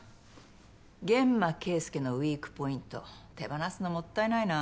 諫間慶介のウイークポイント手放すのもったいないな。